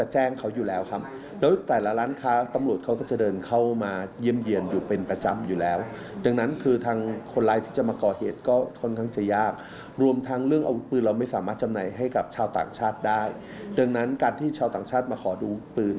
ให้ความดูแลก็คือค่อนข้างให้ความสำคัญกับเรื่องอาวุธปืน